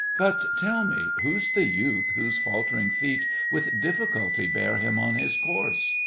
But, tell me—who's the youth whose faltering feet With difficulty bear him on his course?